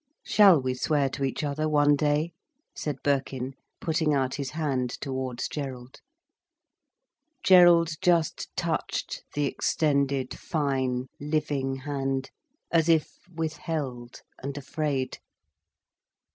"Shall we swear to each other, one day?" said Birkin, putting out his hand towards Gerald. Gerald just touched the extended fine, living hand, as if withheld and afraid.